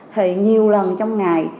thì nhiều lần trong ngày